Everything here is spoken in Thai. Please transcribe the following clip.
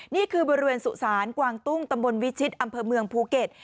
นี่คือบริเวณสุสานกวางตุ้งตำบลวิชิตอำเภอเมืองภูเก็ต